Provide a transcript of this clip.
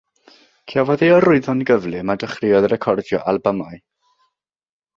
Cafodd ei arwyddo'n gyflym a dechreuodd recordio albymau.